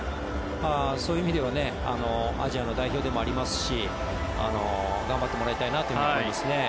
そういう意味ではアジアの代表でもありますし頑張ってもらいたいなと思いますね。